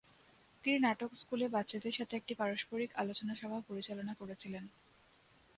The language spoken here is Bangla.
তিনি নাটক স্কুলে বাচ্চাদের সাথে একটি পারস্পরিক আলোচনা সভা পরিচালনা করেছিলেন।